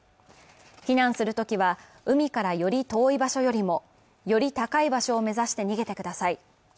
避難するときは、海からより遠い場所よりもより高い場所を目指して逃げてください。